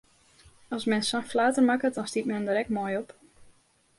As men sa'n flater makket, dan stiet men der ek moai op!